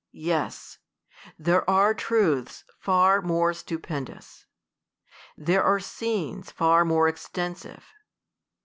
Yes ; there are truths far more stupendous ; there are scenes far more extensive.